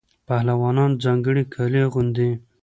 پهلوانان ځانګړي کالي اغوندي.